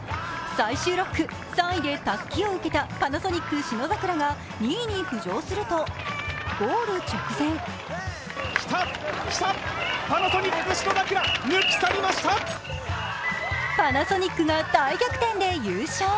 最終６区、３位でたすきを受けたパナソニック・信櫻が２位に浮上すると、ゴール直前パナソニックが大逆転で優勝。